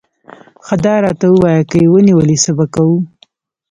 ښه ته داراته ووایه، که یې ونیولې، څه به کوو؟